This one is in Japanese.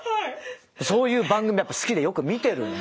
そういう番組やっぱ好きでよく見てるんで。